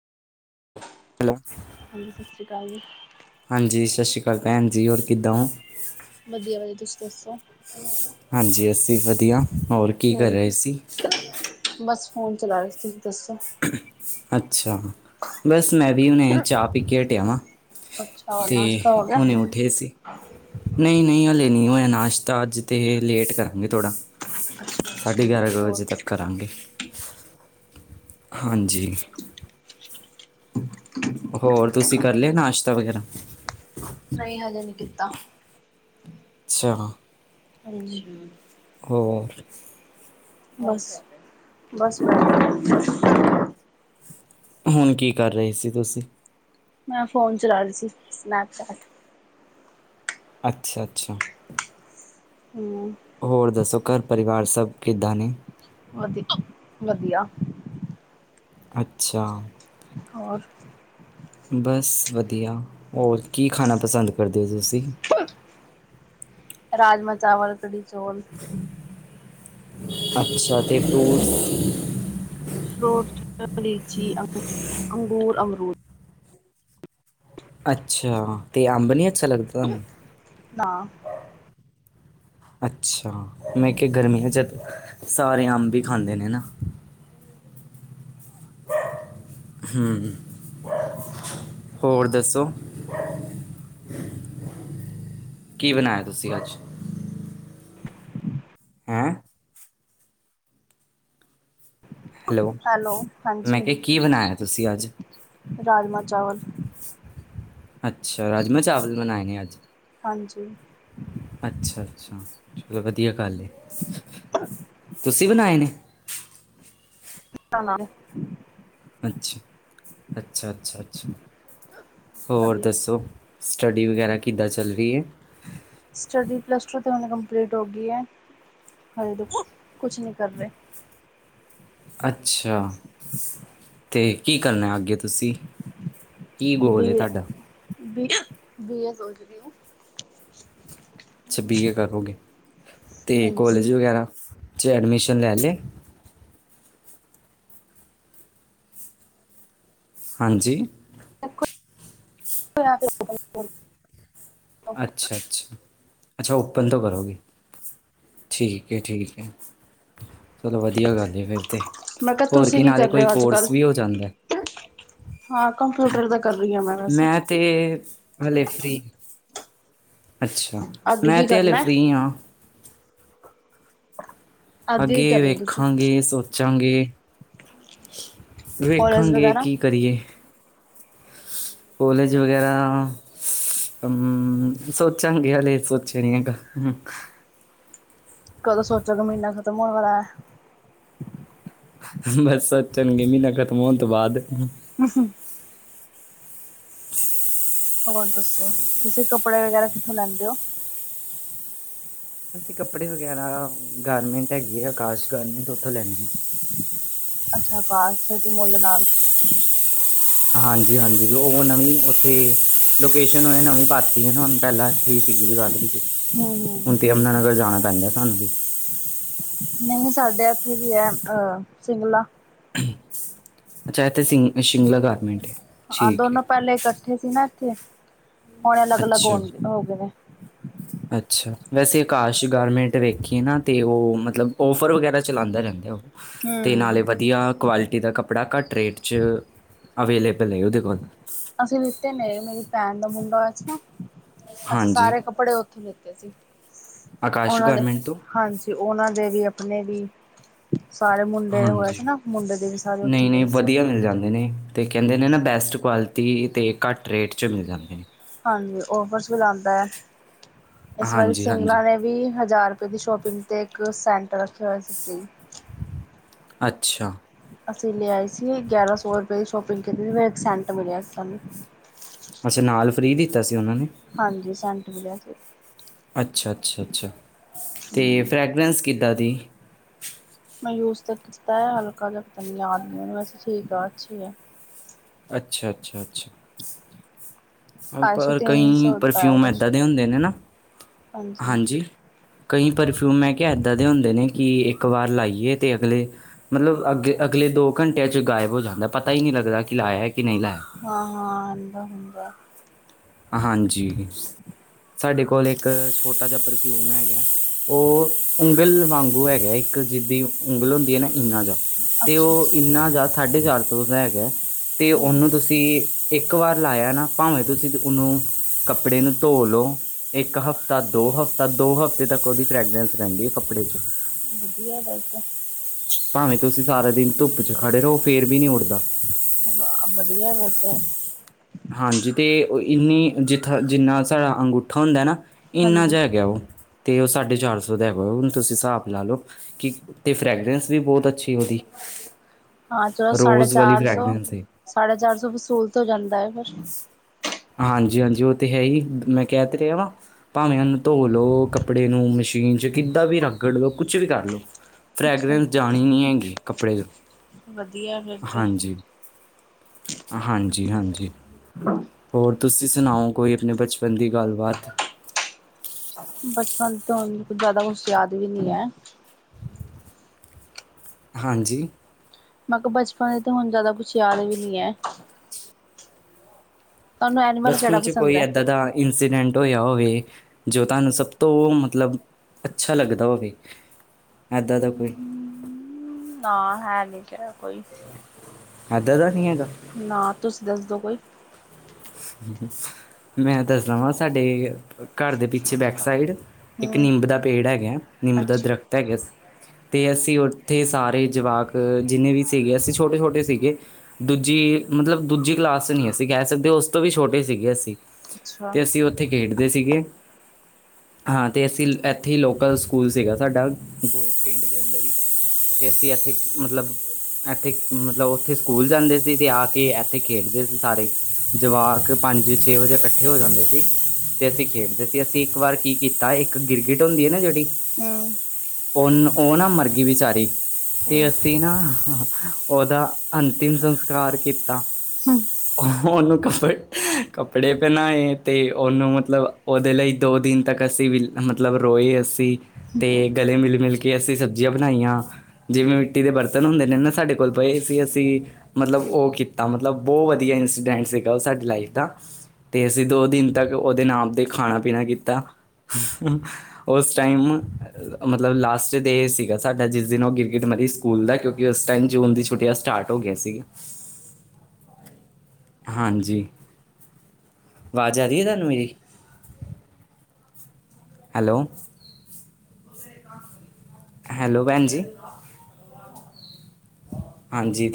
Hello ਹਾਂਜੀ, ਸਤਿ ਸ੍ਰੀ ਅਕਾਲ ਜੀ। ਹਾਂਜੀ, ਸਤਿ ਸ਼੍ਰੀ ਅਕਾਲ ਭੈਣ ਜੀ, ਹੋਰ ਕਿੱਦਾਂ ਹੋ? ਵਧੀਆ- ਵਧੀਆ ਤੁਸੀਂ ਦੱਸੋ? ਹਾਂਜੀ, ਅਸੀਂ ਵਧੀਆ। ਹੋਰ ਕੀ ਕਰ ਰਹੇ ਸੀ ਬਸ ਫੋਨ ਚਲਾ ਰਹੇ, ਤੁਸੀਂ ਦੱਸੋ? ਅੱਛਾ, ਬਸ ਮੈਂ ਵੀ ਹੁਣੇ ਚਾਹ ਪੀ ਕੇ ਹਟਿਆ ਵਾਂ। ਅੱਛਾ ਹੋਰ ਤੇ ਨਾਸ਼ਤਾ ਹੋ ਗਿਆ? ਹੁਣੇ ਉਠਿਆ ਹੀ ਸੀ। ਨਹੀਂ -ਨਹੀਂ ਹਲੇੇ ਨਹੀਂ ਹੋਇਆ ਨਾਸ਼ਤਾ ਅੱਜ ਤਾਂ ਲੇਟ ਕਰਾਂਗੇ ਥੋੜ੍ਹਾ। ਸਾਢੇ ਗਿਆਰਾਂ ਕੁ ਹੋਰ ਵਜੇ ਤੱਕ ਕਰਾਂਗੇ। ਹਾਂਜੀ। ਹੋਰ ਤੁਸੀਂ ਕਰ ਲਿਆ ਨਾਸ਼ਤਾ ਵਗੈਰਾ? ਨਹੀਂ ਹਜੇ ਨਹੀਂ ਕੀਤਾ। ਅੱਛਾ। ਹਾਂਜੀ। ਹੋਰ? ਬਸ- ਬਸ ਵਧੀਆ। ਹੁਣ ਕੀ ਕਰ ਰਹੇ ਸੀ ਤੁਸੀਂ? ਮੈਂ ਫੋਨ ਚਲਾ ਰਹੀ ਸੀ ਸਨੈਪਚੈਟ। ਅੱਛਾ- ਅੱਛਾ। ਹੂੰ। ਹੋਰ ਦੱਸੋ ਘਰ ਪਰਿਵਾਰ ਸਭ ਕਿੱਦਾਂ ਨੇ? ਵਧੀ ਵਧੀਆ। ਅੱਛਾ। ਹੋਰ? ਬਸ ਵਧੀਆ, ਹੋਰ ਕੀ ਖਾਣਾ ਪਸੰਦ ਕਰਦੇ ਹੋ ਤੁਸੀਂ? ਰਾਜਮ ਚਾਵਲ, ਕੜੀ ਚੌਲ। ਅੱਛਾ ਤੇ ਪੋਸ। ਫਰੂਟਚ, ਲੀਚੀ, ਅੰਕ ਅੰਗੂਰ, ਅੰਮਰੂਦ। ਅੱਛਾ ਤੇ ਅੰਬ ਅੱਛਾ ਨੀ ਲੱਗਦਾ ਤੁਹਾਨੂੰ? ਨਾ। ਅੱਛਾ, ਮੈਂ ਕਿਹਾ ਗਰਮੀਆਂ ਹਾਜਤ ਸਾਰੇ ਅੰਬ ਵੀ ਖਾਂਦੇ ਨੇ ਨਾ। ਹੂੰ, ਹੋਰ ਦੱਸੋ? ਕੀ ਬਣਾਇਆ ਤੁਸੀ ਅੱਜ? ਹੂੰ ਹੈਲੋ, ਮੈਂ ਕਿਹਾ ਕੀ ਬਣਾਇਆ ਤੁਸੀਂ ਅੱਜ? ਰਾਜਮਾ-ਚਾਵਲ। ਅੱਛਾ, ਰਾਜਮਾ-ਚਾਵਲ ਬਣਾਏ ਨੇ ਅੱਜ? ਹਾਂਜੀ। ਅੱਛਾ-ਅੱਛਾ, ਚਲੋ ਵਧੀਆ ਗੱਲ ਏ। [inaudible] ਤੁਸੀਂ ਬਣਾਏ ਨੇ? [unintelligible] ਣਾ। ਅੱਛਾ, ਅੱਛਾ-ਅੱਛਾ। ਅੱਛਾ, ਹੋਰ ਦੱਸੋ, ਸਟੱਡੀ ਵਗੈਰਾ ਕਿੱਦਾਂ ਚੱਲ ਰਹੀ ਏ? ਸਟੱਡੀ ਪਲੱਸ ਟੂ ਤੇ, ਹੁਣ ਕੰਪਲੀਟ ਹੋਗੀ ਐ। ਹਰੇ ਤੇ, ਕੁਛ ਨਹੀਂ ਕਰ ਰਹੇ। ਅੱਛਾ, ਤੇ ਕੀ ਕਰਨਾ ਅੱਗੇ ਤੁਸੀ? ਬੀਏ, ਬੀਏ ਸੋਚ ਰੀ [unintelligible] ਅੱਛਾ, ਬੀਏ ਕਰੋਗੇ ਤੇ ਹਾਂਜੀ ਕੋਲੇਜ ਵਗੈਰਾ'ਚ ਐਡਮਿਸ਼ਨ ਲੈ ਲਏ। ਹਾਂਜੀ। [unintelligible] ਅੱਛਾ-ਅੱਛਾ, ਅੱਛਾ, ਓਪਨ ਤੋਂ ਕਰੋਗੇ? ਠੀਕ ਏ, ਠੀਕ ਏ, ਚਲੋ ਵ ਵਧੀਆ ਗੱਲ ਏ ਫਿਰ ਤੇ, ਮੈਂ ਕਿਹਾ ਹੋਰ ਤੁਸੀਂ ਕੀ ਨਾਲੇ ਕਰ ਰਹੇ ਕੋਈ ਹੋ ਅੱਜ ਕੱਲ ਕੋਰਸ ਵੀ ਹੋ ਜਾਂਦੈ। ਹਾਂ, ਕੰਪਿਊਟਰ ਦਾ ਕਰ ਰਹੀ ਹਾਂ ਮੈਂ ਵੈਸੇ ਮੈਂ ਤੇ, ਹਲੇੇ ਫ੍ਰੀ। ਅੱਛਾ, ਅੱਗੇ ਮੈਂ ਕੀ ਤੇ ਹਲੇੇ ਕਰਨਾ ਹੈ ਫ੍ਰੀ ਆ। ਕੀ ਅੱਗੇ ਕਰਨਾ ਤੁਸੀਂ ਵੇਖਾਂਗੇ, ਸੋ ਚਾਂਗੇ, ਕੋਲਜ ਵੇਖਾਂਗੇ ਵਗੈਰਾ ਕੀ ਕਰੀਏ? ਕੌਲੇਜ ਵਗੈਰਾ। ਹੂੰ, ਸੋਚਾਂਗੇ ਹਾਲੇ, ਸੋਚਿਆ ਨੀ ਹੈਗਾ। ਕਦੋਂ ਸੋਚੋਗੇ? ਮਹੀਨਾ ਖ਼ਤਮ ਹੋਣ ਵਾਲਾ ਐ। ਬਸ ਸੋਚਣਗੇ, ਮਹੀਨਾ ਖਤਮ ਹੋਣ ਤੋਂ ਬਾਅਦ। ਹੂੰ, ਹੂੰ। ਹੋਰ ਦੱਸੋ, ਤੁਸੀਂ ਕੱਪੜੇ ਵਗੈਰਾ ਕਿੱਥੋਂ ਲੈਂਦੇ ਓ? ਅਸੀਂ ਕੱਪੜੇ ਵਗੈਰਾ ਗਾਰਮੈਂਟ ਹੈਗੀ ਆ, ਆਕਾਸ਼ ਗਾਰਮੈਂਟ ਉੱਥੋਂ ਲੈਂਨੇ ਆ। ਅੱਛਾ, ਅਕਾਸ਼ ਸਿਟੀ ਮੋਲ ਦੇ ਨਾਲ। ਹਾਂਜੀ-ਹਾਂਜੀ, ਉਹ ਨਵੀਂ ਉੱਥੇ ਲੋਕੇਸ਼ਨ, ਉਹਨੇ ਨਵੀਂ ਪਾਤੀ ਹੈ ਹੁਨ ਪਹਿਲਾ ਠੀਕ [unintelligible] ਜਗਾਧਰੀ ਤੇ। ਹੂੰ, ਹੂੰ। ਯਮੁਨਾ ਨਗਰ ਜਾਣਾ ਪੈਂਦਾ ਸਾਨੂੰ ਵੀ। ਨਹੀਂ ਸਾਡੇ ਇੱਥੇ ਵੀ ਐ, ਸਿੰਗਲਾ‌। ਅੱਛਾ ਇਥੇ, ਸਿੰ ਸ਼ਿਗਲਾ ਗਾਰਮੈਂਟ ਏ? ਹਾਂ, ਦੋਨੋ ਪਹਿਲੇ ਇਕੱਠੇ ਸੀ ਨਾ ਇੱਥੇ, ਹੁਣ ਅਲੱਗ-ਅਲੱਗ ਹੋ, ਅੱਛਾ ਹੋਗੇ ਨੇ। [inaudible] ਅੱਛਾ, ਵੈਸੇ ਆਕਾਸ਼ ਗਾਰਮੈਂਟ ਵੇਖੀਏ ਨਾ ਤੇ, ਉਹ ਮਤਲਬ ਓਫਰ ਵਗੈਰਾ ਚਲਾਂਦੇ ਰਹਿੰਦਾ ਉਹ। ਤੇ ਹੂੰ ਨਾਲੇ ਵਧੀਆ, ਕੁਆਲਿਟੀ ਦਾ ਕੱਪੜ। ਕੱਪੜਾ ਘੱਟ ਰੇਟ, 'ਚ ਅਵੇਲੇਬਲ ਹੈ ਉਹਦੇ ਕੋਲ। ਅਸੀਂ ਲਿੱਤੇ ਨੇ ਮੇਰੀ ਭੈਣ ਦਾ ਮੁੰਡਾ ਹੋਇਆ ਸੀ, ਨਾ ਅਸੀਂ ਹਾਂਜੀ ਸਾਰੇ ਕੱਪੜੇ। ਓਥੋਂ ਲਿਤੇ ਸੀ ਆਕਾਸ਼ ਉਹਨਾਂ ਦੇ ਗਾਰਮੈਂਟ ਤੋਂ ਹਾਂਜੀ ਉਹਨਾਂ ਦੇ ਵੀ ਆਪਣੇ ਵੀ। ਸਾਰੇ ਮੁੰਡੇ ਹੋਏ ਹਾਂਜੀ ਸੀ ਨਾ ਮੁੰਡੇ ਦੇ, ਵੀ ਸਾਰੇ ਉੱਥੇ ਨਹੀਂ ਨਹੀਂ ਲਏ ਸੀ। ਵਧੀਆ ਮਿਲ ਜਾਂਦੇ ਨੇ। ਅਤੇ ਕਹਿੰਦੇ ਨੇ ਨਾ ਬੈਸਟ, ਕੁਆਲਿਟੀ ਅਤੇ ਘੱਟ ਰੇਟ 'ਚ ਮਿਲ ਜਾਂਦੇ ਨੇ। ਹਾਂਜੀ ਔਫਰਸ ਵੀ ਲਾਂਦਾ ਹੈ, ਇਸ ਵਾਰੀ ਹਾਂਜੀ ਸਿੰਗਲਾ ਹਾਂਜੀ ਨੇ ਵੀ ਹਜ਼ਾਰ। ਦੀ ਸ਼ੋਪਿੰਗ ਤੇ ਇੱਕ ਸੈਂਟਰ ਰੱਖਿਆ, ਹੋਇਆ ਸੀ ਫਰੀ। ਅੱਛਾ। ਅਸੀਂ ਲੈ ਆਏ ਸੀ ਗਿਆਰਾਂ ਸੌ ਰੁਪਏ ਦੀ ਸ਼ੋਪਿੰਗ ਕੀਤੀ ਸੀ, ਫ ਇੱਕ ਸੈਂਟ ਮਿਲਿਆ ਸੀ ਸਾਨੂੰ। ਅੱਛਾ ਨਾਲ ਫਰੀ ਦਿੱਤਾ ਸੀ ਉਹਨਾਂ ਨੇ। ਹਾਂਜੀ, ਸੈਂਟ ਵੀ ਲਿਆ ਸੀ। ਅੱਛਾ- ਅੱਛਾ, ਅੱਛਾ ਤੇ ਫਰੈਗਰੈਂਸ ਕਿੱਦਾਂ ਦੀ। ਮੈਂ ਯੂਜ ਤਾਂ ਕੀਤਾ ਹੈ ਹਲਕਾ ਜੇਆ ਪਤਾ ਨਹੀਂ ਯਾਦ ਨਹੀਂ, ਗ੍ਹਮਨੂੰ ਵੈਸੇ ਠੀਕ ਆ ਅੱਛੀ ਹੈ। ਅੱਛਾ ਅੱਛਾ ਅੱਛਾ ਪਰ ਕਈ ਪਰਫਿਊਮ ਏਦਾਂ ਦੇ ਹੁੰਦੇ ਨੇ ਨਾ ਹਾਂਜੀ ਕਈ ਪਰਫਿਊਮ ਹੈ ਕਿਹਾ ਇੱਦਾਂ ਦੇ ਹੁੰਦੇ ਨੇ ਕਿ ਇੱਕ ਵਾਰ ਲਾਈਏ ਅਤੇ ਅਗਲੇ ਮਤਲਬ ਅੱਗੇ ਅਗਲੇ ਦੋ ਘੰਟਿਆਂ 'ਚ ਗਾਇਬ ਹੋ ਜਾਂਦਾ ਪਤਾ ਹੀ ਨਹੀਂ ਲੱਗਦਾ ਕਿ ਲਾਇਆ ਕਿ ਨਹੀਂ ਲਾਇਆ ਹਾਂ ਹਾਂ ਹੁੰਦਾ ਹਾਂਜੀ ਸਾਡੇ ਕੋਲ ਇੱਕ ਛੋਟਾ ਜਿਹਾ ਪਰਫਿਊਮ ਹੈਗਾ ਉਹ ਉਂਗਲ ਵਾਂਗੂ ਹੈਗਾ ਇੱਕ ਜਿਦੀ ਉਂਗਲ ਹੁੰ ਦੀ ਹੈ ਨਾ ਇੰਨਾ ਜ਼ਿਆ ਅਤੇ ਅੱਛਾ ਉਹ ਅੱਛਾ ਇੰਨਾ ਜ਼ਿਆਦਾ ਸਾਢੇ ਚਾਰ ਸੌ ਦਾ ਹੈਗਾ ਤੇ ਹੂੰ ਉਹਨੂੰ ਤੁਸੀਂ ਤੁਸੀਂ ਇੱਕ ਵਾਰ ਲਾਇਆ ਨਾ ਭਾਵੇਂ ਤੁਸੀਂ ਉਹਨੂੰ ਕੱਪੜੇ ਨੂੰ ਧੋ ਲਉ ਇੱਕ ਹਫਤਾ ਦੋ ਹਫਤਾ ਦੋ ਹਫਤੇ ਤੱਕ ਉਹਦੀ ਫਰੈਗਰੈਂਸ ਰਹਿੰਦੀ ਹੈ ਕੱਪੜੇ 'ਚ ਵਧੀਆ ਬਤ ਭਾਵੇਂ ਤੁਸੀਂ ਸਾਰਾ ਦਿਨ ਧੁੱਪ ਚ ਖੜੇ ਰਹੋ ਫੇਰ ਵੀ ਨਹੀਂ ਉੱਡਦਾ ਬੜੀਆਂ ਵ ਤੇ ਹਾਂਜੀ ਤੇ ਇਨੀ ਜਿੱਥੇ ਜਿੰਨਾ ਸਾਡਾ ਅੰਗੂਠਾ ਹੁੰਦਾ ਨਾ ਇੰਨਾ ਹਾਂਜੀ ਜੇਹਾ ਹੈਗਾ ਉਹ ਤੇ ਉਹ ਸਾਢੇ ਚਾਰ ਸੌ ਦਾ ਹੈਗਾ ਹਣ ਤੁਸੀਂ ਹਿਸਾਬ ਲਾ ਲਓ ਕਿ ਤੇ ਫਰੈਗਰੈਂਸ ਵੀ ਬੋਤ ਅੱਛੀ ਓਦੀ ਰੋਜ਼ ਵਾਲੀ ਫਰੈਗਰੈਂਸ ਸਾਢਾ ਚਾਰ ਸੌ ਵਸੂਲ ਤੋਂ ਜਾਂਦਾ ਹੈ ਫਿਰ ਹਾਂਜੀ ਹਾਂਜੀ ਉਹ ਤੇ ਹੈ ਹੀ ਮੈਂ ਕਹਿ ਤੇ ਰਿਹਾ ਵਾਂ ਭਾਵੇਂ ਉਹਨੂੰ ਧੋ ਲਓ ਕੱਪੜੇ ਨੂੰ ਮਸ਼ੀਨ ਚ ਕਿੱਦਾਂ ਵੀ ਰਗੜ ਲਓ ਕੁਛ ਵੀ ਕਰ ਲਉ ਅੱਛਾ ਫਰੈਗਰੈਂਸ ਜਾਣੀ ਨਹੀਂ ਹੈਗੀ ਕੱਪੜੇ ਤੋਂ ਵਧੀਆਫੇ ਹਾਂਜੀ ਹਾਂਜੀ ਹਾਂਜੀ ਹੋਰ ਤੁਸੀਂ ਸੁਣਾਓ ਕੋਈ ਆਪਣੇ ਬਚਪਨ ਦੀ ਗੱਲਬਾਤ ਬਚਪਨ ਤੋਂਨੂੰ ਜ਼ਿਆਦਾ ਕੁਛ ਯਾਦ ਵੀ ਨੀ ਹੈ ਹਾਂਜੀ ਮੈਂ ਕਿਹਾ ਬਚਪਨ ਦੇ ਤਾਂ ਹੁਣ ਜ਼ਿਆਦਾ ਕੁਛ ਯਾਦ ਵੀ ਨੀ ਹੈ ਤੁਹਾਨੂੰ ਐਨੀਮਲ ਕਿਹੜਾ ਬਚਪਨ 'ਚ ਪਸੰਦ ਕੋਈ ਹੈ ਇੱਦਾਂ ਦਾ ਇੰਸੀਡੈਂਟ ਹੋਇਆ ਹੋਵੇ ਜੋ ਤੁਹਾਨੂੰ ਸਭ ਤੋਂ ਮਤਲਬ ਅੱਛਾ ਲੱਗਦਾ ਓਵੀ, ਏਦਾਂ ਦਾ ਕੋਈ। ਨਾ ਹੈਨੀ ਕਿਹਾ ਕੋਈ। ਏਦਰ ਦਾ ਨੀਂ ਹੈਗਾ? ਨਾਂ, ਤੁਸੀਂ ਦੱਸਦੋ ਕੋਈ? ਮੈਂ ਦੱਸਦਾ ਵਾਂ, ਸਾਡੇ ਘਰ ਦੇ ਪਿੱਛੇ ਬੈਕ ਸਾਈਡ ਇੱਕ ਹਮ ਨਿੰਬ ਦਾ ਪੇੜ ਹੈਗਾ, ਨਿੰਬ ਦਾ ਅੱਛਾ ਦਰਖਤ ਹੈਗਾ। ਤੇ ਅਸੀਂ ਓਥੇ ਸਾਰੇ ਜਵਾਕ ਜਿੰਨੇ ਵੀ ਸੀਗੇ, ਅਸੀਂ ਛੋਟੇ-ਛੋਟੇ ਸੀਗੇ। ਦੂਜੀ ਮਤਲਬ ਦੂਜੀ ਕਲਾਸ ਨਈਂ ਅਸੀਂ ਕੈ ਸਕਦੇ, ਤੇ ਉਸ ਤੋਂ ਵੀ ਛੋਟੇ ਸੀਗੇ ਅਸੀਂ ਅੱਛਾ ਤੇ ਅਸੀਂ ਓਥੇ ਖੇਡਦੇ ਸੀਗੇ। ਹਾਂ, ਤੇ ਅਸੀਂ ਏਥੇ ਹੀ ਲੋਕਲ ਸਕੂਲ ਸੀਗਾ ਸਾਡਾ, ਗੋਲ ਗੇਟ ਦੇ ਅੰਦਰ ਹੀ। ਕਤੇ ਅਸੀਂ ਏਥੇ ਮਤਲਬ ਏਥੇ ਮਤਲਬ ਓਥੇ ਸਕੂਲ ਜਾਂਦੇ ਸੀ, ਤੇ ਆ ਕੇ ਏਥੇ ਖੇਡਦੇ ਸੀ ਸਾਰੇ। ਜਵਾਕ ਪੰਜ-ਛੇ ਵਜੇ ਕੱਠੇ ਹੋ ਜਾਂਦੇ ਸੀ। ਤੇ ਅਸੀਂ ਖੇਡਦੇ ਸੀ। ਅਸੀਂ ਇੱਕ ਵਾਰ ਕੀ ਕੀਤਾ ਏਕ ਗਿਰਗਿਟ ਹੁੰਦੀ ਏ ਨਾ ਜੇੜੀ ਹੁੰ। ਓਨਾ ਓਨਾ ਮਰਗੀ ਵਿਚਾਰੀ। ਤੇ ਹਮ ਅਸੀਂ ਨਾ ਓਦਾ ਅੰਤਿਮ ਸੰਸਕਾਰ ਕੀਤਾ। ਹੁੰ। ਓਹਨੂੰ ਕੱਪੜ ਕੱਪੜੇ ਪੈਨਾਏ ਤੇ ਓਨੂੰ ਮਤਲਬ ਓਦੇ ਲਈ ਦੋ ਦਿਨ ਤੱਕਤ ਅਸੀਂ ਵੀ ਮਤਲਬ ਰੋਏ ਅਸੀਂ, ਤੇ ਗਲੇ ਮਿਲ-ਮਿਲ ਕੇ ਅਸੀ ਸਬਜ਼ੀਆਂ ਬਣਾਈਆਂ‌। ਜਿਵੇਂ ਮਿੱਟੀ ਦੇ ਬਰਤਨ ਹੁੰਦੇ ਨੇ ਨਾ ਸਾਡੇ ਕੋਲ ਪਏ ਸੀ ਅਸੀਂ ਮਤਲਬ ਔ ਕੀਤਾ, ਮਤਲਬ ਬਓ ਵਦੀਆ ਇੰਸੀਡੈਂਟ ਸੀਗਾ ਓ ਸਾਡੀ ਲਾਈਫ ਦਾ। ਤੇ ਅਸੀਂ ਦੋ ਦਿਨ ਤੱਕ ਓਦੇ ਨਾਮ ਤੇ ਖਾਣਾ-ਪੀਣਾ ਕੀਤਾ। ਓਸ ਟਾਈਮ ਮਤਲਬ ਲਾਸਟ ਡੇ ਸੀਗਾ ਸਾਡਾ, ਜਿਸ ਦਿਨ ਓ ਗਿਰਗਿਟ ਮਰੀ ਸਕੂਲ ਦਾ, ਕਿਉਂਕਿ ਓਸ ਟਾਈਮ ਜੂਨ ਦੀ ਛੁੱਟੀਆਂ ਸਟਾਰਟ ਹੋ ਗਿਆਂ ਸੀ। ਹਾਂਜੀ, ਆਵਾਜ ਆ ਰੀਐ ਤਾਂਨੂੰ ਮੇਰੀ? ਹੈਲੋ। ਹੈਲੋ ਪੈਨ ਜੀ, ਹਾਂਜੀ।